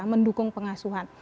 nah mendukung pengasuhan